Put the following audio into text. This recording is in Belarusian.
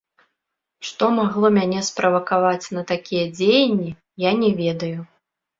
Што магло мяне справакаваць на такія дзеянні, я не ведаю.